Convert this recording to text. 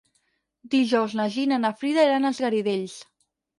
Dijous na Gina i na Frida iran als Garidells.